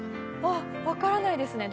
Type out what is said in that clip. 分からないですね。